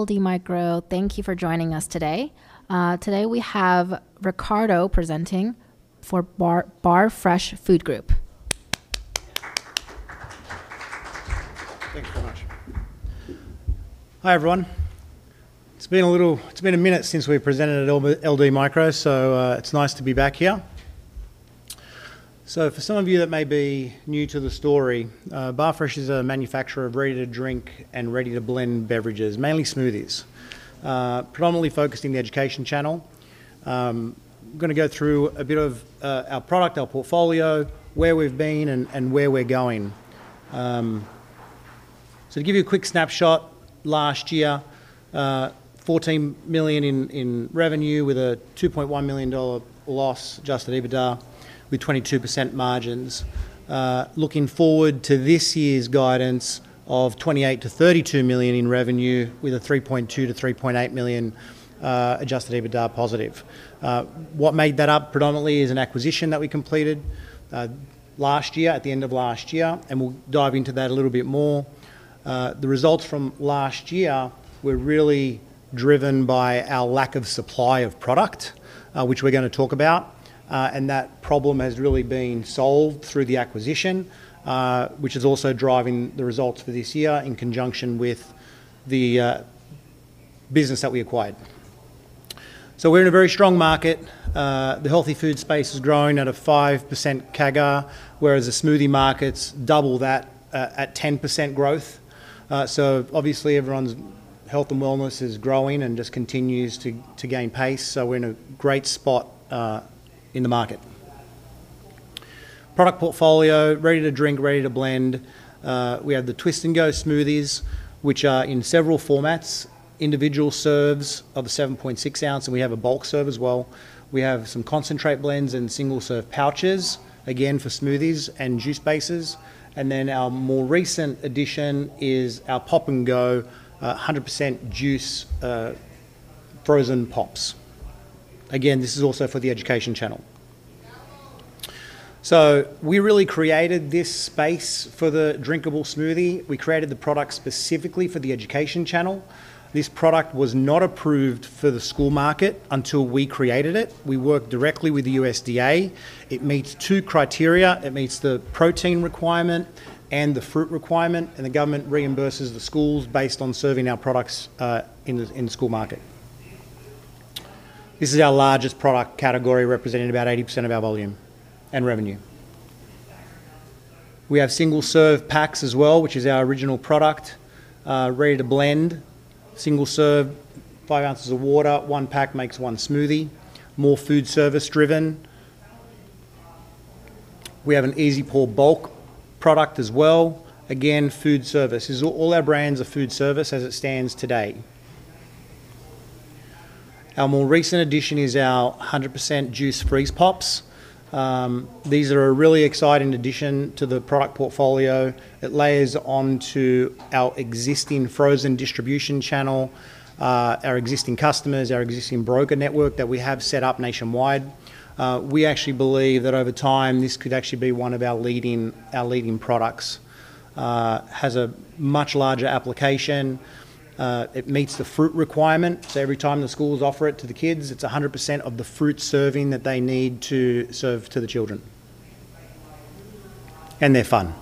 Hello, LD Micro. Thank you for joining us today. Today we have Riccardo presenting for Barfresh Food Group. Thank you very much. Hi, everyone. It's been a minute since we've presented at LD Micro, it's nice to be back here. For some of you that may be new to the story, Barfresh is a manufacturer of ready-to-drink and ready-to-blend beverages, mainly smoothies, predominantly focused in the education channel. We're gonna go through a bit of our product, our portfolio, where we've been, and where we're going. To give you a quick snapshot, last year, $14 million in revenue with a $2.1 million loss adjusted EBITDA with 22% margins. Looking forward to this year's guidance of $28 million-$32 million in revenue with a $3.2 million-$3.8 million adjusted EBITDA positive. What made that up predominantly is an acquisition that we completed last year, at the end of last year, and we'll dive into that a little bit more. The results from last year were really driven by our lack of supply of product, which we're gonna talk about. That problem has really been solved through the acquisition, which is also driving the results for this year in conjunction with the business that we acquired. We're in a very strong market. The healthy food space is growing at a 5% CAGR, whereas the smoothie market's double that, at 10% growth. Obviously everyone's health and wellness is growing and just continues to gain pace, so we're in a great spot in the market. Product portfolio, ready-to-drink, ready-to-blend. We have the Twist & Go smoothies, which are in several formats, individual serves of a 7.6 oz, and we have a bulk serve as well. We have some concentrate blends and single-serve pouches, again, for smoothies and juice bases. Then our more recent addition is our Pop & Go, 100% juice, frozen pops. Again, this is also for the education channel. We really created this space for the drinkable smoothie. We created the product specifically for the education channel. This product was not approved for the school market until we created it. We worked directly with the USDA. It meets two criteria. It meets the protein requirement and the fruit requirement, and the government reimburses the schools based on serving our products in the school market. This is our largest product category, representing about 80% of our volume and revenue. We have single-serve packs as well, which is our original product, ready to blend, single serve, 5 oz of water, one pack makes one smoothie, more foodservice driven. We have an easy pour bulk product as well. Again, foodservice. All our brands are foodservice as it stands today. Our more recent addition is our 100% juice freeze pops. These are a really exciting addition to the product portfolio. It layers onto our existing frozen distribution channel, our existing customers, our existing broker network that we have set up nationwide. We actually believe that over time, this could actually be one of our leading products. Has a much larger application. It meets the fruit requirement. Every time the schools offer it to the kids, it's 100% of the fruit serving that they need to serve to the children. They're fun.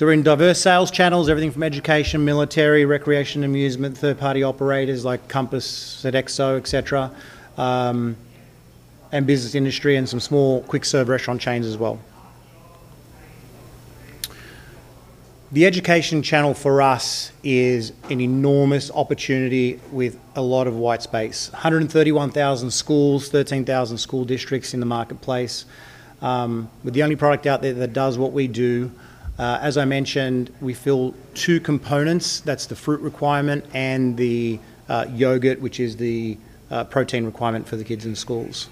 We're in diverse sales channels, everything from education, military, recreation, amusement, third-party operators like Compass, Sodexo, et cetera, and business industry, and some small quick-serve restaurant chains as well. The education channel for us is an enormous opportunity with a lot of white space. 131,000 schools, 13,000 school districts in the marketplace, with the only product out there that does what we do. As I mentioned, we fill two components. That's the fruit requirement and the yogurt, which is the protein requirement for the kids in schools.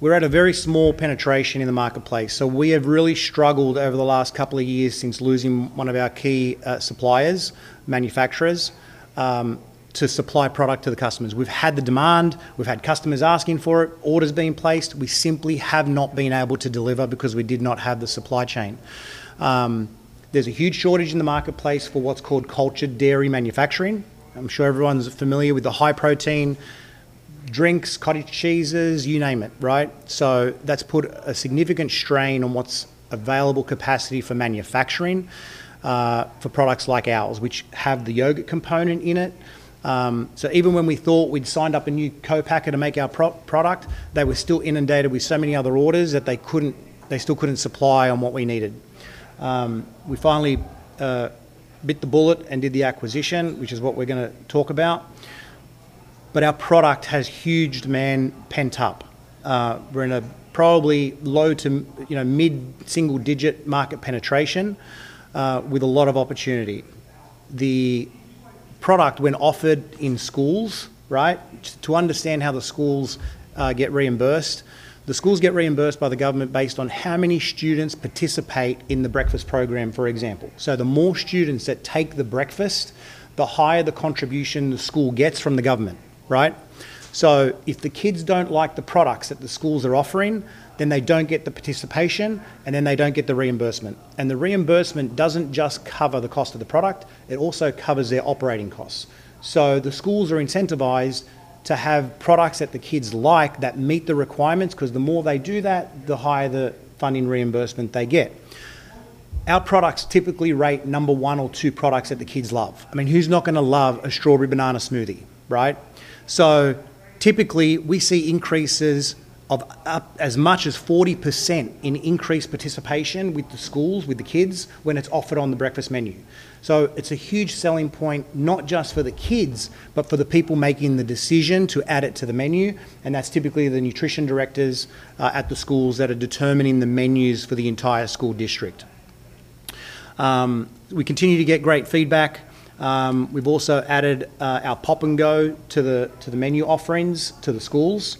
We're at a very small penetration in the marketplace. We have really struggled over the last couple of years since losing one of our key suppliers, manufacturers, to supply product to the customers. We've had the demand. We've had customers asking for it, orders being placed. We simply have not been able to deliver because we did not have the supply chain. There's a huge shortage in the marketplace for what's called cultured dairy manufacturing. I'm sure everyone's familiar with the high protein drinks, cottage cheeses, you name it, right? That's put a significant strain on what's available capacity for manufacturing for products like ours, which have the yogurt component in it. Even when we thought we'd signed up a new co-packer to make our product, they were still inundated with so many other orders that they still couldn't supply on what we needed. We finally bit the bullet and did the acquisition, which is what we're gonna talk about. Our product has huge demand pent up. We're in a probably low to, you know, mid-single digit market penetration with a lot of opportunity. The product, when offered in schools, right? To understand how the schools get reimbursed, the schools get reimbursed by the government based on how many students participate in the breakfast program, for example. The more students that take the breakfast, the higher the contribution the school gets from the government, right? If the kids don't like the products that the schools are offering, then they don't get the participation, and then they don't get the reimbursement. The reimbursement doesn't just cover the cost of the product. It also covers their operating costs. The schools are incentivized to have products that the kids like that meet the requirements, 'cause the more they do that, the higher the funding reimbursement they get. Our products typically rate number one or two products that the kids love. I mean, who's not gonna love a strawberry banana smoothie, right? Typically, we see increases of up as much as 40% in increased participation with the schools, with the kids, when it's offered on the breakfast menu. It's a huge selling point not just for the kids, but for the people making the decision to add it to the menu, and that's typically the nutrition directors at the schools that are determining the menus for the entire school district. We continue to get great feedback. We've also added our Pop & Go to the menu offerings to the schools.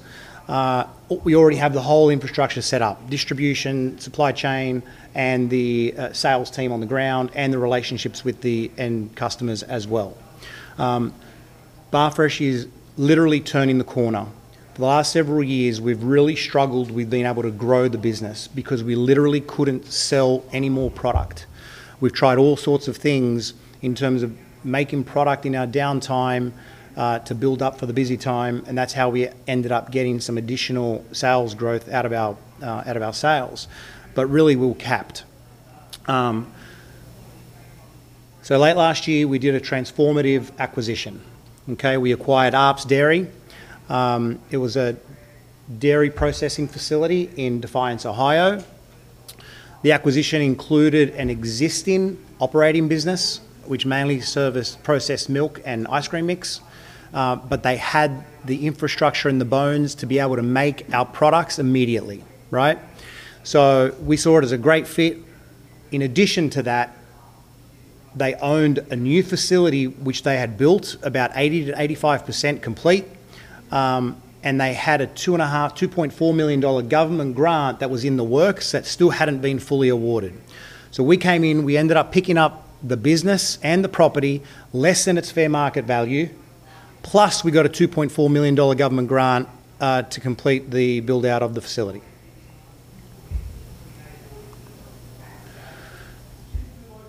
We already have the whole infrastructure set up, distribution, supply chain, and the sales team on the ground, and the relationships with the end customers as well. Barfresh is literally turning the corner. The last several years we've really struggled with being able to grow the business because we literally couldn't sell any more product. We've tried all sorts of things in terms of making product in our downtime, to build up for the busy time, and that's how we ended up getting some additional sales growth out of our, out of our sales, but really we're capped. Late last year we did a transformative acquisition. Okay? We acquired Arps Dairy. It was a dairy processing facility in Defiance, Ohio. The acquisition included an existing operating business which mainly serviced processed milk and ice cream mix, but they had the infrastructure and the bones to be able to make our products immediately, right? We saw it as a great fit. In addition to that, they owned a new facility which they had built about 80%-85% complete, and they had a $2.4 million government grant that was in the works that still hadn't been fully awarded. We came in, we ended up picking up the business and the property less than its fair market value. Plus, we got a $2.4 million government grant to complete the build-out of the facility.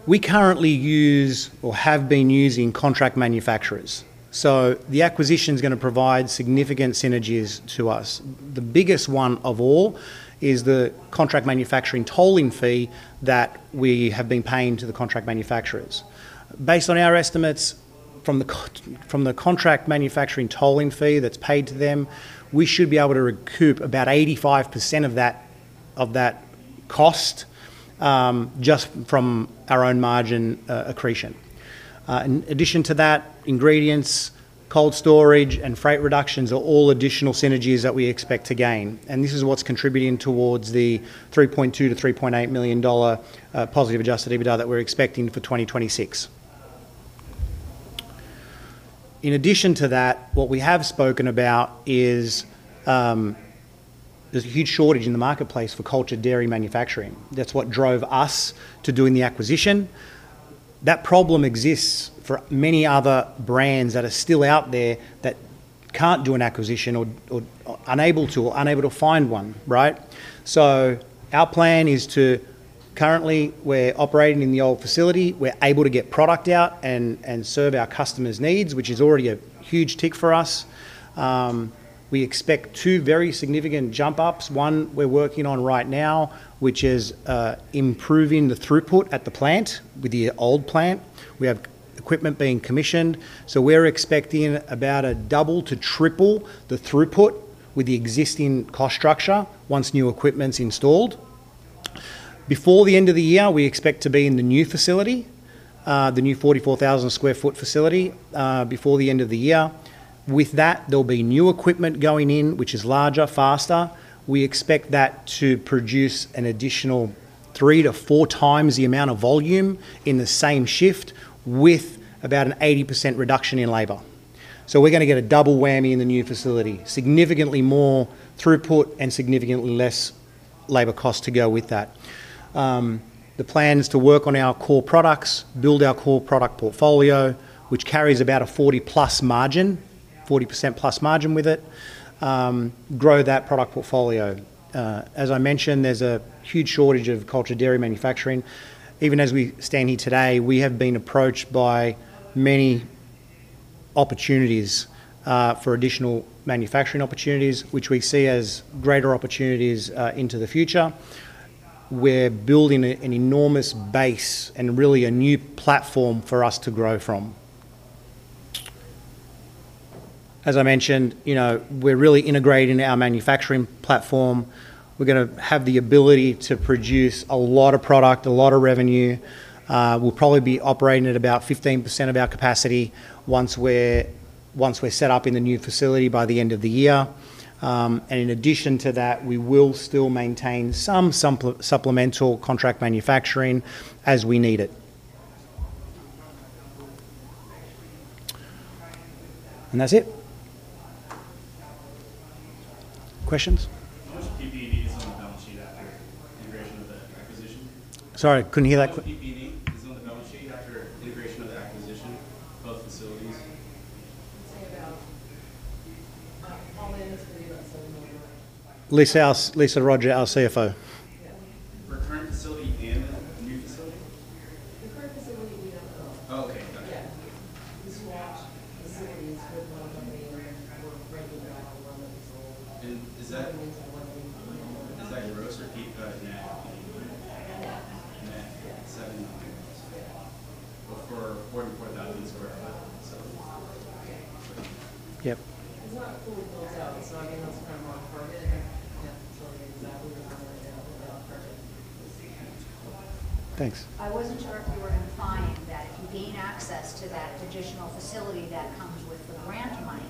We currently use or have been using contract manufacturers, the acquisition's gonna provide significant synergies to us. The biggest one of all is the contract manufacturing tolling fee that we have been paying to the contract manufacturers. Based on our estimates from the contract manufacturing tolling fee that's paid to them, we should be able to recoup about 85% of that cost, just from our own margin accretion. In addition to that, ingredients, cold storage, and freight reductions are all additional synergies that we expect to gain, and this is what's contributing towards the $3.2 million-$3.8 million positive adjusted EBITDA that we're expecting for 2026. In addition to that, what we have spoken about is, there's a huge shortage in the marketplace for cultured dairy manufacturing. That's what drove us to doing the acquisition. That problem exists for many other brands that are still out there that can't do an acquisition or unable to find one, right? Currently, we're operating in the old facility. We're able to get product out and serve our customers' needs, which is already a huge tick for us. We expect two very significant jump ups, one we're working on right now, which is improving the throughput at the plant with the old plant. We have equipment being commissioned. We're expecting about a double to triple the throughput with the existing cost structure once new equipment's installed. Before the end of the year, we expect to be in the new facility, the new 44,000 sq ft facility, before the end of the year. With that, there'll be new equipment going in, which is larger, faster. We expect that to produce an additional 3x to 4x the amount of volume in the same shift with about an 80% reduction in labor. We're gonna get a double whammy in the new facility, significantly more throughput and significantly less labor cost to go with that. The plan is to work on our core products, build our core product portfolio, which carries about a 40+ margin, 40%+ margin with it, grow that product portfolio. As I mentioned, there's a huge shortage of cultured dairy manufacturing. Even as we stand here today, we have been approached by many opportunities for additional manufacturing opportunities, which we see as greater opportunities into the future. We're building an enormous base and really a new platform for us to grow from. As I mentioned, you know, we're really integrating our manufacturing platform. We're gonna have the ability to produce a lot of product, a lot of revenue. We'll probably be operating at about 15% of our capacity once we're set up in the new facility by the end of the year. In addition to that, we will still maintain some supplemental contract manufacturing as we need it. That's it. Questions? How much PPE is on the balance sheet after integration of the acquisition? Sorry, couldn't hear that. How much PPE is on the balance sheet after integration of the acquisition, both facilities? I'd say about, all in, it's maybe about $7 million. Lisa Roger, our CFO. Yeah. Current facility and the new facility? Current facility we don't know. Okay, got it. Yeah. [This watch facilities] with one of the main we're breaking down one that's old. And is that- Moving into one in. Is that gross or net? Net. Net? Yeah. $7 million. Yeah. But for forty-four thousand square foot, so Yep. It's not fully built out, so I mean, it's kinda more permitted. That facility is that we would wanna get up and about permitted. Thanks. I wasn't sure if you were implying that if you gain access to that traditional facility that comes with the grant money,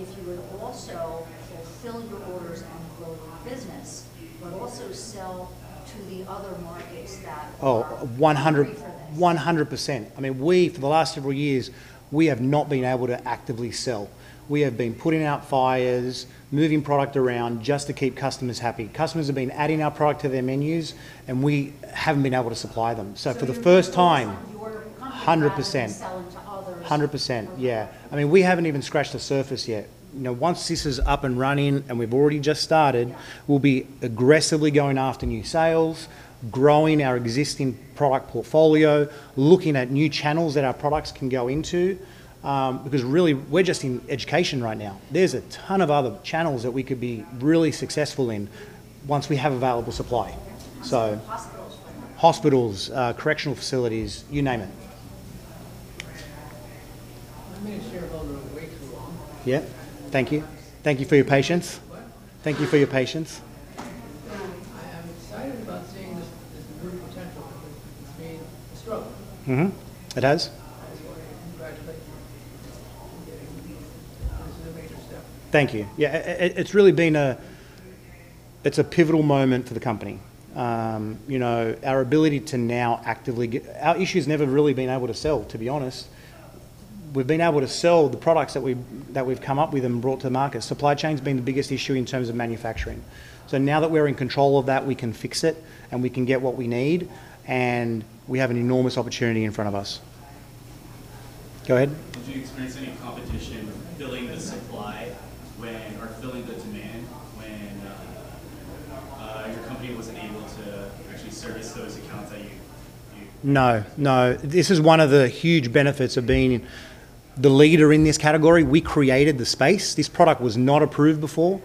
if you would also fulfill your orders and grow your business, but also sell to the other markets that. Oh, 100- Are free for this? 100%. I mean, we, for the last several years, we have not been able to actively sell. We have been putting out fires, moving product around just to keep customers happy. Customers have been adding our product to their menus, and we haven't been able to supply them. For the first time. You would focus on your company. 100%. Growing and selling to others. 100%. Okay. Yeah. I mean, we haven't even scratched the surface yet. You know, once this is up and running, and we've already just started. Yeah. we'll be aggressively going after new sales, growing our existing product portfolio, looking at new channels that our products can go into, because really we're just in education right now. There's a ton of other channels that we could be really successful in once we have available supply. Okay. So- Hospitals, for example. Hospitals, correctional facilities, you name it. I've been a shareholder way too long. Yeah. Thank you. Thank you for your patience. What? Thank you for your patience. I'm excited about seeing this group potential because it's been a struggle. Mm-hmm. It has. I just wanna congratulate you on getting here. This is a major step. Thank you. Yeah. It's a pivotal moment for the company. you know, our ability to now actively Our issue's never really been able to sell, to be honest. We've been able to sell the products that we've come up with and brought to market. Supply chain's been the biggest issue in terms of manufacturing. Now that we're in control of that, we can fix it, and we can get what we need, and we have an enormous opportunity in front of us. Go ahead. Did you experience any competition filling the supply when, or filling the demand when, your company wasn't able to actually service those accounts that you? No, no. This is one of the huge benefits of being the leader in this category. We created the space. This product was not approved before.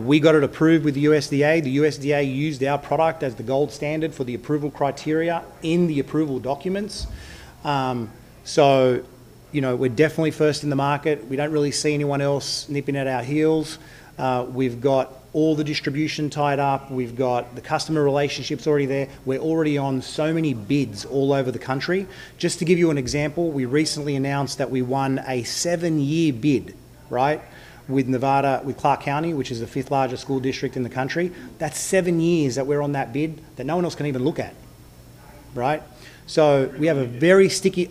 We got it approved with the USDA. The USDA used our product as the gold standard for the approval criteria in the approval documents. You know, we're definitely first in the market. We don't really see anyone else nipping at our heels. We've got all the distribution tied up. We've got the customer relationships already there. We're already on so many bids all over the country. Just to give you an example, we recently announced that we won a seven-year bid, right, with Nevada, with Clark County, which is the fifth-largest school district in the country. That's seven years that we're on that bid that no one else can even look at, right? We have a very sticky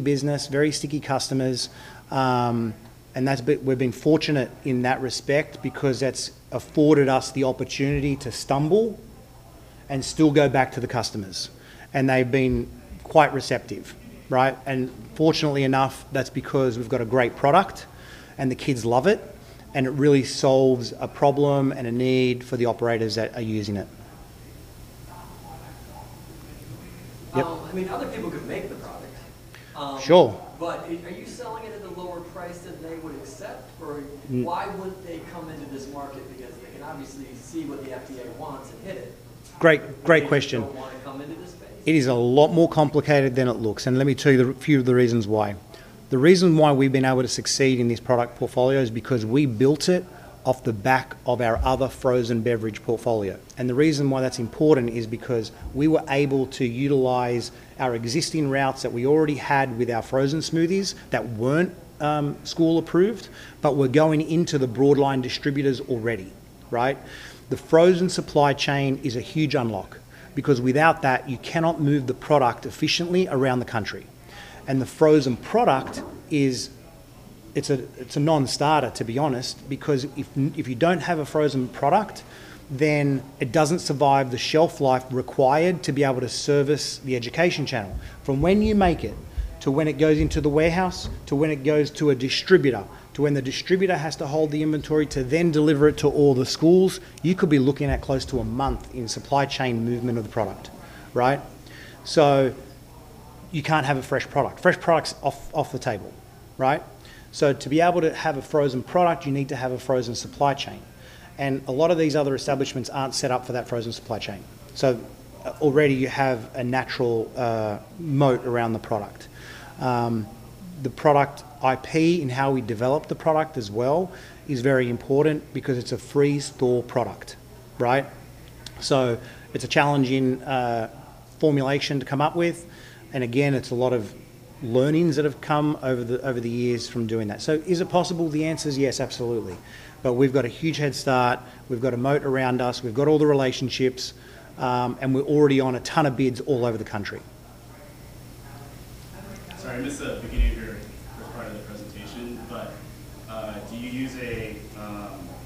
business, very sticky customers. We've been fortunate in that respect because that's afforded us the opportunity to stumble and still go back to the customers, and they've been quite receptive, right? Fortunately, enough, that's because we've got a great product, and the kids love it, and it really solves a problem and a need for the operators that are using it. Yep. I mean, other people could make the product. Sure. Are you selling it at a lower price than they would accept? Why would they come into this market because they can obviously see what the USDA wants and hit it. Great, great question. Why would they want to come into this space? It is a lot more complicated than it looks. Let me tell you few of the reasons why. The reason why we've been able to succeed in this product portfolio is because we built it off the back of our other frozen beverage portfolio. The reason why that's important is because we were able to utilize our existing routes that we already had with our frozen smoothies that weren't school approved, but were going into the broadline distributors already, right? The frozen supply chain is a huge unlock because without that, you cannot move the product efficiently around the country. The frozen product is a non-starter, to be honest, because if you don't have a frozen product, then it doesn't survive the shelf life required to be able to service the education channel. From when you make it to when it goes into the warehouse, to when it goes to a distributor, to when the distributor has to hold the inventory to then deliver it to all the schools, you could be looking at close to a month in supply chain movement of the product, right? You can't have a fresh product. Fresh product's off the table, right? To be able to have a frozen product, you need to have a frozen supply chain, and a lot of these other establishments aren't set up for that frozen supply chain. Already you have a natural moat around the product. The product IP and how we develop the product as well is very important because it's a freeze-thaw product, right? It's a challenging formulation to come up with, and again, it's a lot of learnings that have come over the, over the years from doing that. Is it possible? The answer's yes, absolutely. We've got a huge head start. We've got a moat around us. We've got all the relationships, and we're already on a ton of bids all over the country. Sorry, I missed the beginning of your first part of the presentation, but do you use an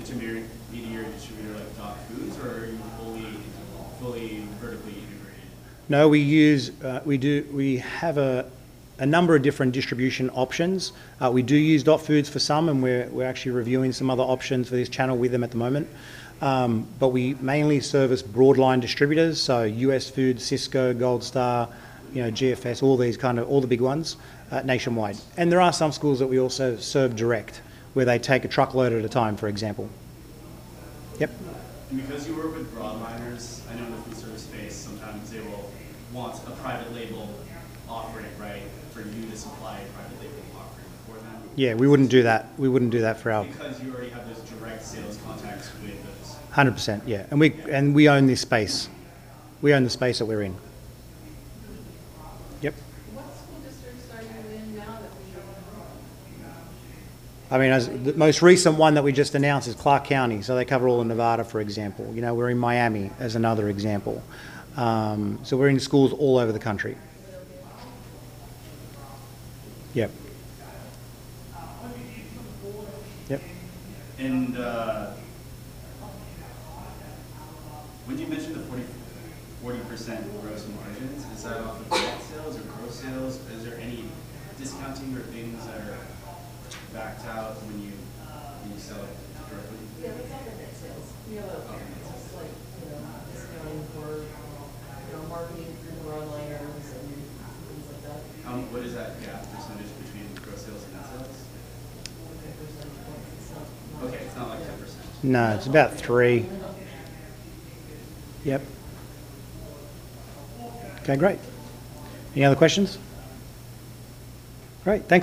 intermediary distributor like Dot Foods, or are you fully vertically integrated? No, we use, we have a number of different distribution options. We do use Dot Foods for some, and we're actually reviewing some other options for this channel with them at the moment. We mainly serve as broad line distributors, U.S. Foods, Sysco, Gold Star, you know, GFS, all these kinds of, all the big ones nationwide. There are some schools that we also serve direct, where they take a truckload at a time, for example. Yep. Because you work with broadliners, I know in the food service space, sometimes they will want a private label offering, right, for you to supply a private label offering for them. Yeah, we wouldn't do that. We wouldn't do that for. You already have those direct sales contacts with those. 100%, yeah. We own this space. We own the space that we're in. Yep. What school districts are you in now that we know about? I mean, the most recent one that we just announced is Clark County, so they cover all of Nevada, for example. You know, we're in Miami as another example. We're in schools all over the country. Yep. Looking into the future. Yep. When you mentioned the 40% gross margins, is that off of net sales or gross sales? Is there any discounting or things that are backed out when you sell it directly? Yeah, we count the net sales. We have other variables. Okay. Like, you know, discounting for, you know, marketing through the broadliners and things like that. What is that gap % between gross sales and net sales? I think we're sitting right at seven. Okay, it's not like 10%. No, it's about three. Yep. Okay, great. Any other questions? Great. Thank you.